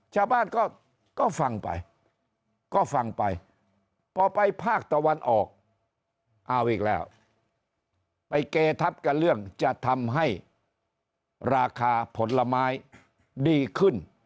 ชาวบ้านก็ฟังไปก็ฟังไปพอไปภาคตะวันออกเอาอีกแล้วไปเกทับกับเรื่องจะทำให้ราคาผลไม้ดีขึ้น